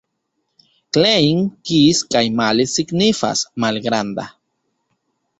Klein, kis kaj mali signifas: malgranda.